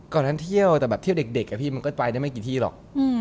ตอนนั้นเที่ยวแต่แบบเที่ยวเด็กอะพี่มันก็ไปได้ไม่กี่ที่หรอก